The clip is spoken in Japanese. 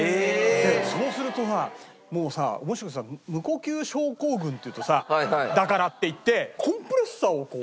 でそうするとさもうさ面白くてさ無呼吸症候群っていうとさだからって言ってコンプレッサーをこう。